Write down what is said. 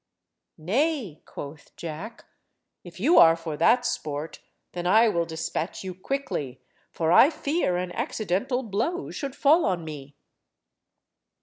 "Nay," quoth Jack, "if you are for that sport, then I will despatch you quickly, for I fear an accidental blow should fall on me."